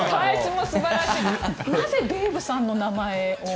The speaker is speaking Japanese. なぜデーブさんの名前を？